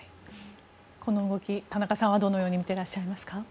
この動き、田中さんはどのように見ていらっしゃいますか？